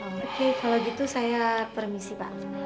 oke kalau gitu saya permisi pak